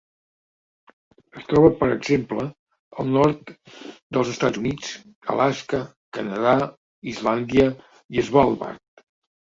Es troba per exemple, al nord dels Estats Units, Alaska, Canadà, Islàndia i Svalbard.